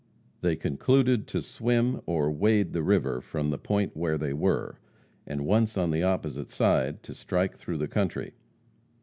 They concluded to swim or wade the river from the point where they were, and, once on the opposite side, to strike through the country.